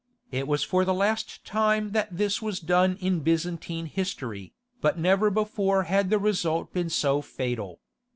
It was for the last time that this was done in Byzantine history, but never before had the result been so fatal.